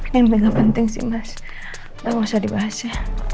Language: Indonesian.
mimpi gak penting sih mas gak usah dibahas ya